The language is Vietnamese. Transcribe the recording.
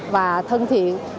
và thân thiện